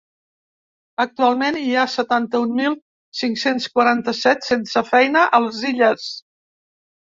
Actualment hi ha setanta-un mil cinc-cents quaranta-set sense feina a les Illes.